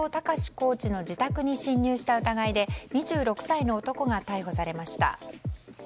コーチの自宅に侵入した疑いで２６歳の男が逮捕されました。